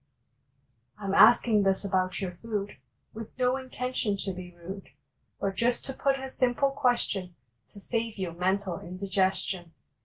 I m asking this about your food With no intention to be rude, But just to put a simple question To save you mental indigestion.